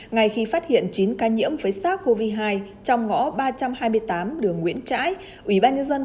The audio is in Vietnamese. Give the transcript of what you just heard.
ngày khi phát hiện chín ca nhiễm với sars cov hai trong ngõ ba trăm hai mươi tám đường nguyễn trãi ủy ban nhân dân